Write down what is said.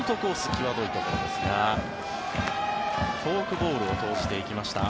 際どいところですがフォークボールを投じていきました。